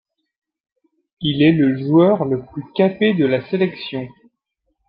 Il est le joueur le plus capé de la sélection.